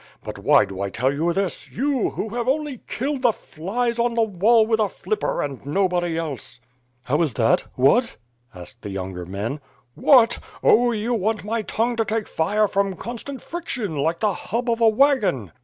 But why do I tell you this, you, who have only killed the flies on the wall with a flipper, and nobody else." "IIow is that? What?" asked the younger men. "What? Oh, you want my tongue to take fire from constant friction, like the hub of a wagon."